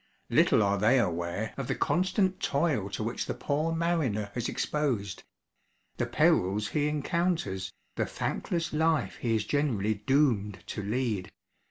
Little are they aware of the constant toil to which the poor mariner is exposed the perils he encounters, the thankless life he is generally doomed to lead.